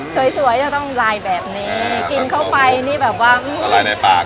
สวยสวยจะต้องลายแบบนี้กินเข้าไปนี่แบบว่าละลายในปาก